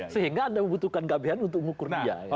sehingga anda membutuhkan gbhn untuk mengukurnya